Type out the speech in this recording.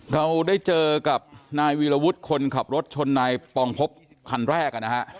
เราได้เจอกับนายวีรวุฒิคนขับรถชนนายปองพบคันแรกนะฮะ